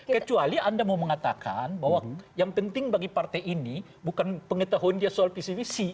kecuali anda mau mengatakan bahwa yang penting bagi partai ini bukan pengetahuan dia soal pcvc